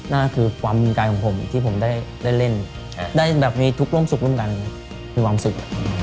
นั่นคือความจริงใจของผมที่ผมได้เล่นได้แบบมีทุกข์ร่วมสุขร่วมกันมีความสุข